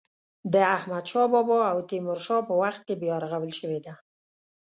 د احمد شا بابا او تیمور شاه په وخت کې بیا رغول شوې ده.